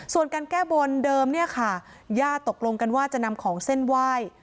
ส่วนการแก้บนเดิมเนี่ยค่ะญาติตกลงกันว่าจะนำของเส้นไหว้